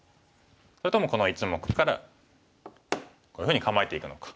それともこの１目からこういうふうに構えていくのか。